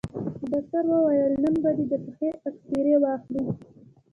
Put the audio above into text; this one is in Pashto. ډاکتر وويل نن به دې د پښې اكسرې واخلو.